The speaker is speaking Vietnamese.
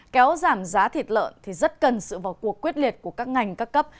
kéo giảm giá thịt lợn thì rất cần sự vào cuộc quyết liệt của các ngành các cấp